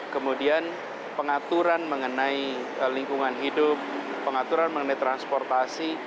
kemudian pengaturan mengenai lingkungan hidup pengaturan mengenai transportasi